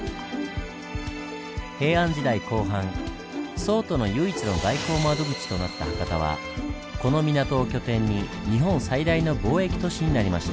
平安時代後半宋との唯一の外交窓口となった博多はこの港を拠点に日本最大の貿易都市になりました。